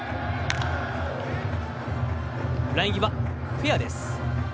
ライン際フェアです。